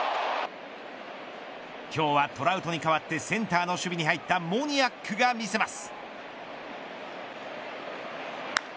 今日はトラウトに代わってセンターの守備に入ったモニアックが見せます。